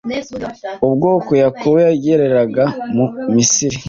ubwo yakobo yageraga mu misiri